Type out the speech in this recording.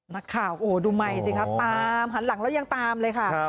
นักข่าวโอ้โหดูไมค์สิครับตามหันหลังแล้วยังตามเลยค่ะ